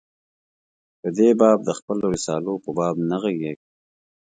په دې باب د خپلو رسالو په باب نه ږغېږم.